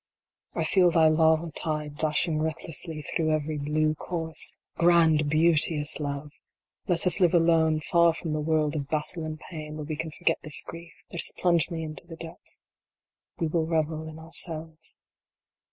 I feel thy lava tide dashing recklessly through every blue course ! Grand, beauteous Love ! Let us live alone, far from the world of battle and pain, where we can forget this grief that has plunged me into the depths. We will revel in ourselves.